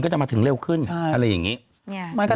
จะมาถึงเร็วขึ้นอะไรอย่างนี้